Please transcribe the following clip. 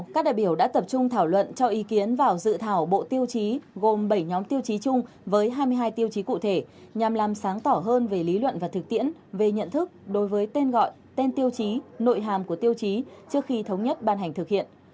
các đại biểu đã tập trung thảo luận cho ý kiến vào dự thảo bộ tiêu chí gồm bảy nhóm tiêu chí chung với hai mươi hai tiêu chí cụ thể nhằm làm sáng tỏ hơn về lý luận và thực tiễn về nhận thức đối với tên gọi tên tiêu chí nội hàm của tiêu chí trước khi thống nhất ban hành thực hiện